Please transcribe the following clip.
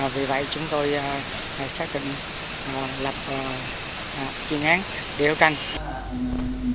vì vậy chúng tôi xác định lập chuyên án điều canh